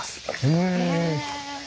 へえ。